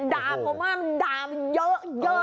ด่าผมว่ามันด่ามันเยอะ